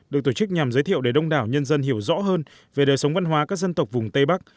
được tổ chức nhằm giới thiệu để đông đảo nhân dân hiểu rõ hơn về đời sống văn hóa các dân tộc vùng tây bắc